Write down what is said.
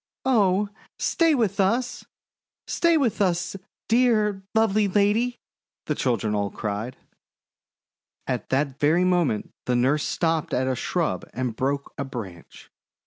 "Oh, stay with us! Stay with us, dear, lovely lady!' the children all cried. At that very moment the nurse stopped at a shrub and broke a branch.